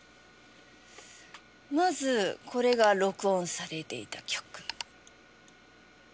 まずこれが録音されていた曲。